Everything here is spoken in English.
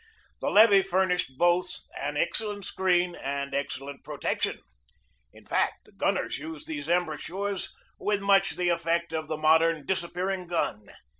The levee furnished both an excel lent screen and excellent protection. In fact, the PRIZE COMMISSIONER in gunners used these embrasures with much the effect of the modern disappearing gun.